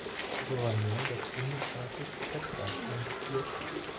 Gouverneur des Bundesstaates Texas amtierte.